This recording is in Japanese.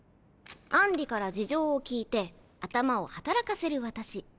杏里から事情を聞いて頭を働かせる私。